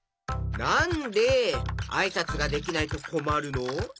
なんであいさつができないとこまるの？